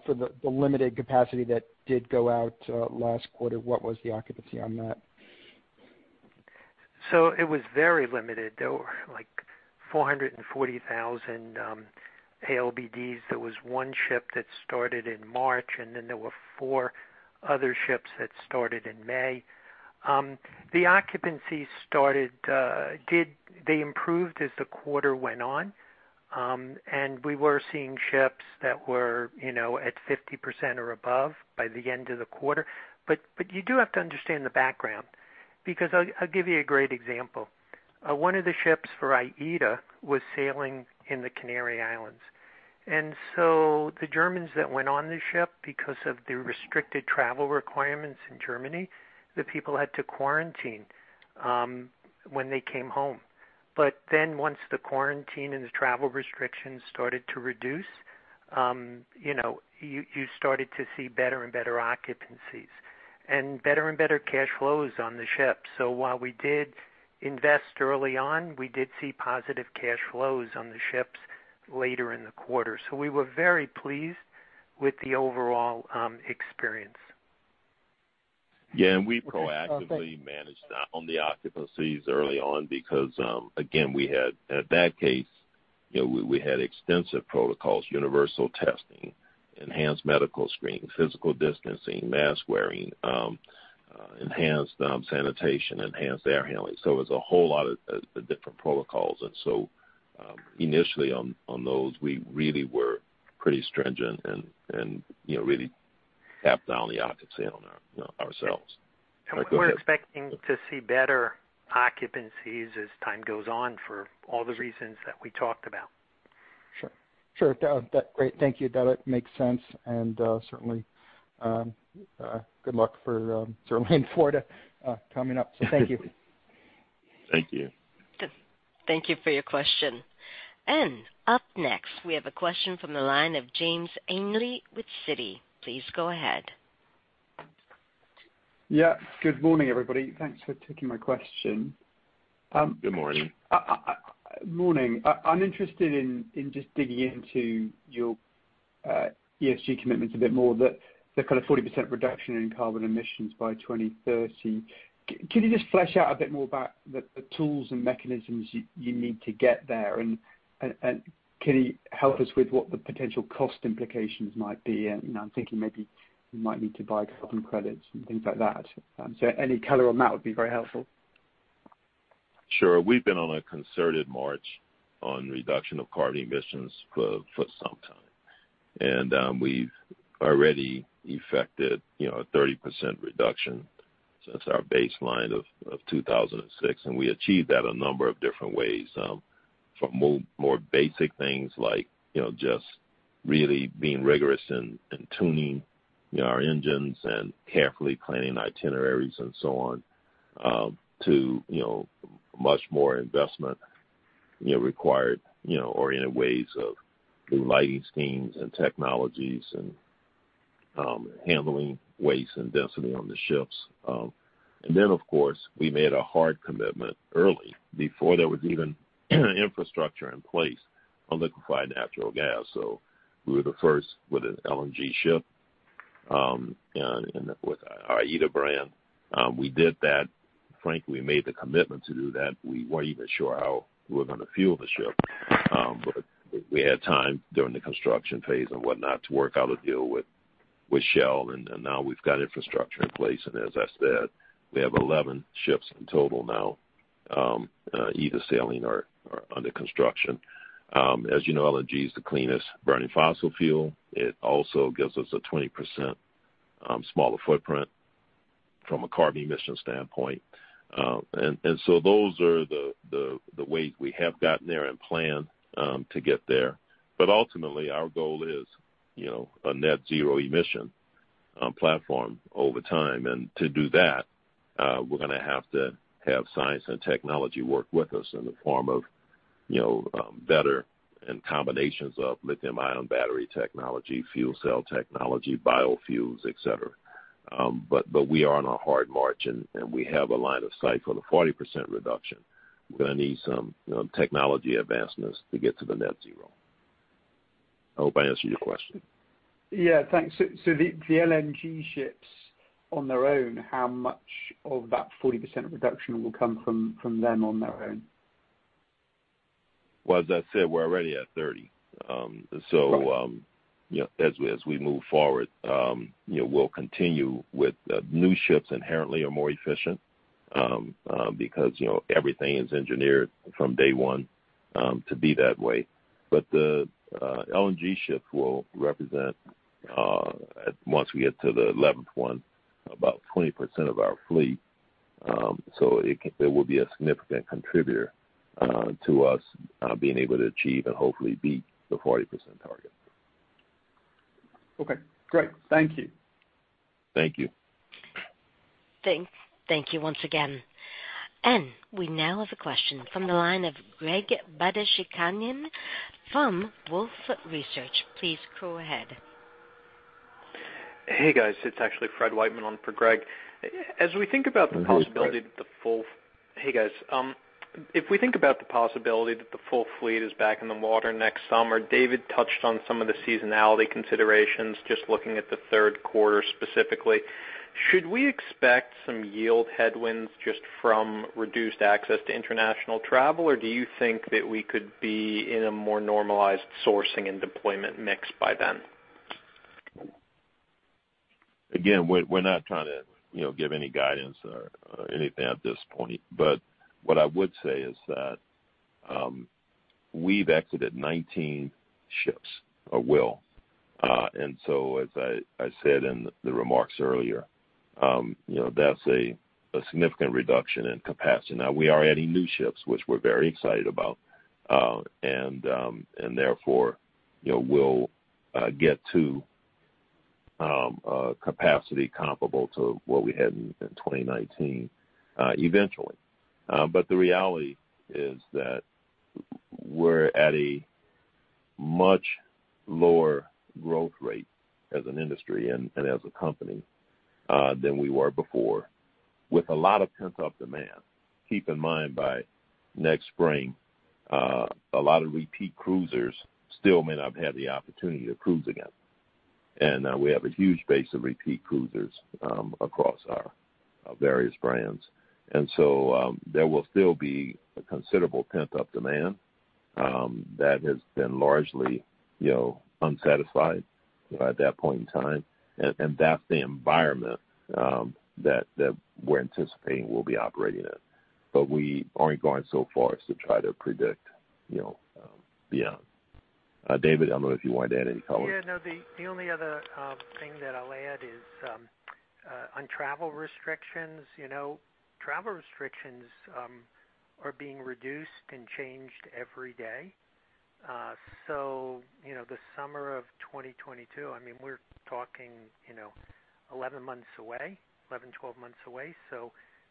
for the limited capacity that did go out last quarter, what was the occupancy on that? It was very limited. There were like 440,000 passenger LBDs. There was one ship that started in March, there were four other ships that started in May. The occupancy improved as the quarter went on, we were seeing ships that were at 50% or above by the end of the quarter. You do have to understand the background, because I'll give you a great example. One of the ships for AIDA was sailing in the Canary Islands. The Germans that went on the ship, because of the restricted travel requirements in Germany, the people had to quarantine when they came home. Once the quarantine and the travel restrictions started to reduce, you started to see better and better occupancies and better and better cash flows on the ship. While we did invest early on, we did see positive cash flows on the ships later in the quarter. We were very pleased with the overall experience. We proactively managed down the occupancies early on because, again, in that case, we had extensive protocols, universal testing, enhanced medical screening, physical distancing, mask wearing, enhanced sanitation, enhanced air handling. It was a whole lot of different protocols. Initially on those, we really were pretty stringent and really capped down the occupancy on that ourselves. We're expecting to see better occupancies as time goes on for all the reasons that we talked about. Sure. Great. Thank you. That makes sense, and certainly good luck for sailing forward coming up. Thank you. Thank you. Thank you for your question. Up next, we have a question from the line of James Ainley with Citi. Please go ahead. Yeah. Good morning, everybody. Thanks for taking my question. Good morning. Morning. I'm interested in just digging into your ESG commitment a bit more, the kind of 40% reduction in carbon emissions by 2030. Can you just flesh out a bit more about the tools and mechanisms you need to get there, and can you help us with what the potential cost implications might be? I'm thinking maybe you might need to buy carbon credits and things like that. Any color on that would be very helpful. Sure. We've been on a concerted march on reduction of carbon emissions for some time. We've already effected a 30% reduction since our baseline of 2006, and we achieved that a number of different ways. From more basic things like just really being rigorous in tuning our engines and carefully planning itineraries and so on, to much more investment-required-oriented ways of new lighting schemes and technologies and handling waste and density on the ships. Of course, we made a hard commitment early, before there was even infrastructure in place on liquefied natural gas. We were the first with an LNG ship, and with our AIDA brand. We did that. Frankly, we made the commitment to do that. We weren't even sure how we were going to fuel the ship. We had time during the construction phase and whatnot to work out a deal with Shell, and now we've got infrastructure in place. As I said, we have 11 ships in total now, either sailing or under construction. As you know, LNG is the cleanest burning fossil fuel. It also gives us a 20% smaller footprint from a carbon emission standpoint. Those are the ways we have gotten there and plan to get there. Ultimately, our goal is a net zero emission platform over time. To do that, we're going to have to have science and technology work with us in the form of better and combinations of lithium-ion battery technology, fuel cell technology, biofuels, et cetera. We are on a hard march, and we have a line of sight for the 40% reduction. We're going to need some technology advancements to get to the net zero. I hope I answered your question. Yeah, thanks. The LNG ships on their own, how much of that 40% reduction will come from them on their own? Well, as I said, we're already at 30%. Right. As we move forward, we'll continue with new ships inherently are more efficient. Because everything is engineered from day one to be that way. The LNG ships will represent, once we get to the 11th one, about 20% of our fleet. It will be a significant contributor to us being able to achieve and hopefully beat the 40% target. Okay, great. Thank you. Thank you. Thank you once again. We now have a question from the line of Greg Badishkanian from Wolfe Research. Please go ahead. Hey, guys. It's actually Fred Wightman on for Greg. No worries, Fred. Hey, guys. If we think about the possibility that the full fleet is back in the water next summer, David touched on some of the seasonality considerations, just looking at the third quarter specifically. Should we expect some yield headwinds just from reduced access to international travel, or do you think that we could be in a more normalized sourcing and deployment mix by then? We're not trying to give any guidance or anything at this point, but what I would say is that we've exited 19 ships, or will. As I said in the remarks earlier, that's a significant reduction in capacity. We are adding new ships, which we're very excited about. Therefore, we'll get to capacity comparable to what we had in 2019 eventually. The reality is that we're at a much lower growth rate as an industry and as a company than we were before with a lot of pent-up demand. Keep in mind by next spring, a lot of repeat cruisers still may not have had the opportunity to cruise again. We have a huge base of repeat cruisers across our various brands. There will still be a considerable pent-up demand that has been largely unsatisfied at that point in time. That's the environment that we're anticipating we'll be operating in. We aren't going so far as to try to predict beyond. David, I don't know if you want to add any color. No, the only other thing that I'll add is on travel restrictions. Travel restrictions are being reduced and changed every day. The summer of 2022, we're talking 11, 12 months away.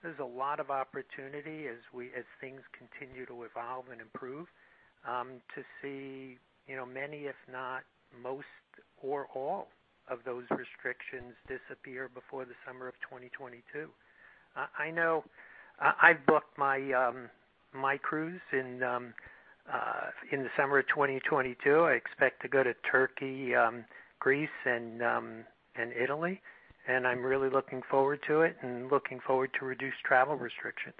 There's a lot of opportunity as things continue to evolve and improve to see many, if not most or all of those restrictions disappear before the summer of 2022. I know I've booked my cruise in the summer of 2022. I expect to go to Turkey, Greece, and Italy, and I'm really looking forward to it and looking forward to reduced travel restrictions.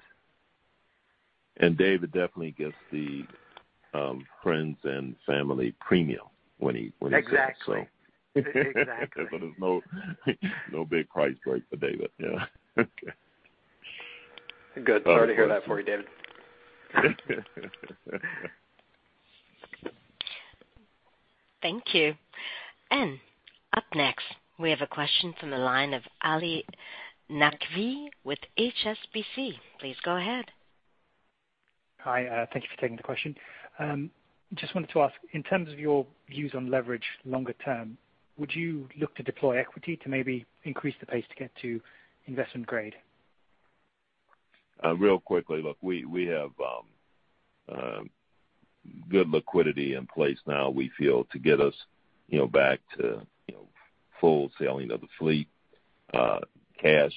David definitely gets the friends and family premium when he sails. Exactly. There's no big price break for David, yeah. Good target on that for David. Thank you. Up next, we have a question from the line of Ali Naqvi with HSBC. Please go ahead. Hi, thanks for taking the question. Just wanted to ask, in terms of your views on leverage longer term, would you look to deploy equity to maybe increase the pace to get to investment grade? Real quickly, look, we have good liquidity in place now we feel to get us back to full sailing of the fleet. Cash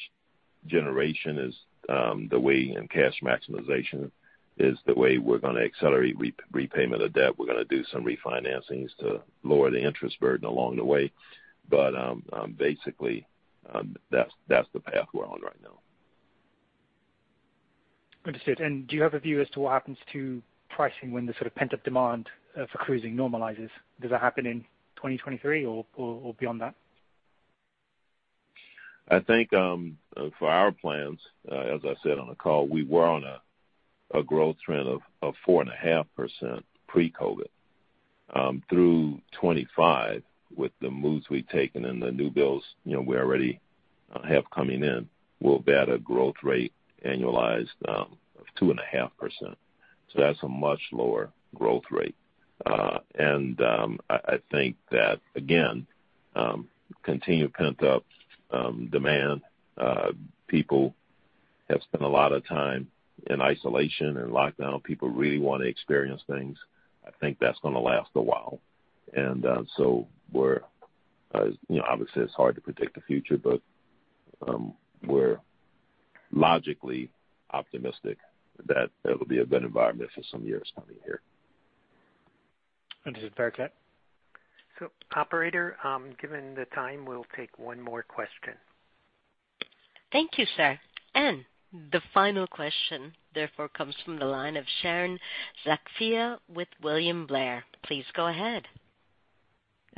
generation is the way, and cash maximization is the way we're going to accelerate repayment of debt. We're going to do some refinancings to lower the interest burden along the way. Basically, that's the path we're on right now. Understood. Do you have a view as to what happens to pricing when the sort of pent-up demand for cruising normalizes? Does that happen in 2023 or beyond that? I think for our plans, as I said on the call, we were on a growth trend of 4.5% pre-COVID through 2025. With the moves we've taken and the new builds we already have coming in, we'll be at a growth rate annualized of 2.5%. That's a much lower growth rate. I think that, again, continued pent-up demand. People have spent a lot of time in isolation and lockdown. People really want to experience things. I think that's going to last a while. We're, obviously it's hard to predict the future, but we're logically optimistic that it'll be a good environment for some years coming here. Understood. Okay. Operator, given the time, we'll take one more question. Thank you, sir. The final question therefore comes from the line of Sharon Zackfia with William Blair. Please go ahead.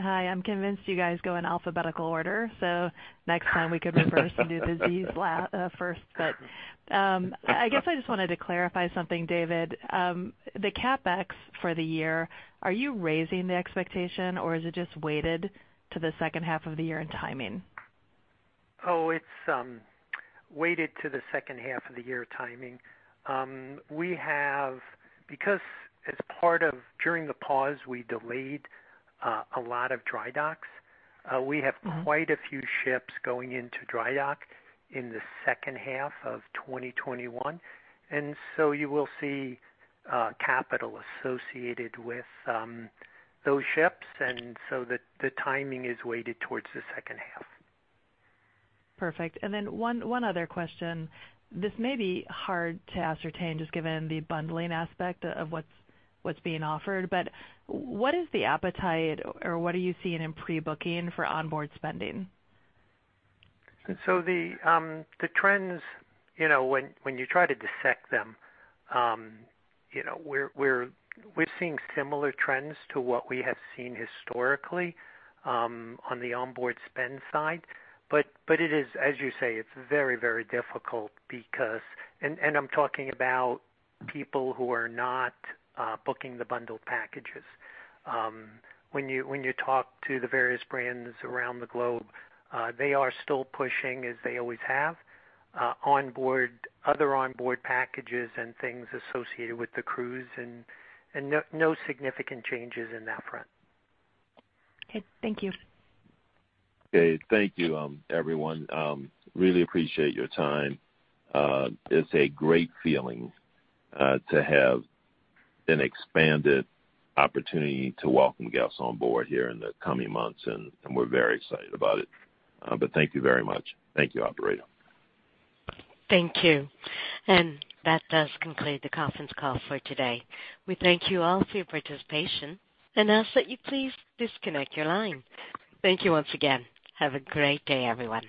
Hi, I'm convinced you guys go in alphabetical order, so next time we can go to the Z's last first. I guess I just wanted to clarify something, David. The CapEx for the year, are you raising the expectation or is it just weighted to the second half of the year in timing? It's weighted to the second half of the year timing. During the pause, we delayed a lot of dry docks. We have quite a few ships going into dry dock in the second half of 2021. You will see capital associated with those ships. The timing is weighted towards the second half. Perfect. Then one other question. This may be hard to ascertain just given the bundling aspect of what's being offered, what is the appetite or what are you seeing in pre-booking for onboard spending? The trends, when you try to dissect them, we're seeing similar trends to what we have seen historically on the onboard spend side. As you say, it's very difficult because, and I'm talking about people who are not booking the bundle packages. When you talk to the various brands around the globe, they are still pushing as they always have, other onboard packages and things associated with the cruise and no significant changes on that front. Okay, thank you. Okay. Thank you everyone. Really appreciate your time. It's a great feeling to have an expanded opportunity to welcome guests on board here in the coming months, and we're very excited about it. Thank you very much. Thank you, operator. Thank you. That does conclude the conference call for today. We thank you all for your participation and ask that you please disconnect your line. Thank you once again. Have a great day, everyone.